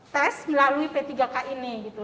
tes melalui p tiga k ini gitu